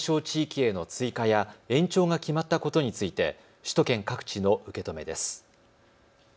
緊急事態宣言の対象地域への追加や延長が決まったことについて首都圏各地の受け止めです。